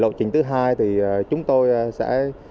lộ trình thứ hai thì chúng tôi sẽ